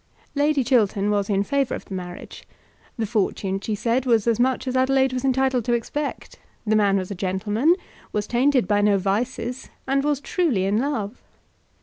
Lady Chiltern was in favour of the marriage. The fortune, she said, was as much as Adelaide was entitled to expect, the man was a gentleman, was tainted by no vices, and was truly in love.